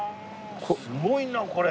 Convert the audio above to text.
すごいなこれ。